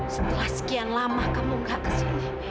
setelah sekian lama kamu gak kesini